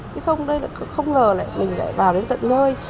chứ không đây là không ngờ lại mình lại vào đến tận nơi